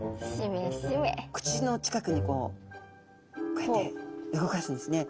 口の近くにこうこうやって動かすんですね。